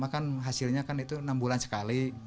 karena hasilnya enam bulan sekali